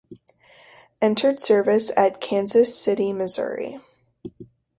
Entered service at: Kansas City, Mo.